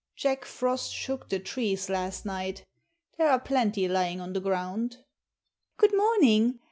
"Jack Frost shook the trees last night. There are plenty lying on the ground." "Good morning.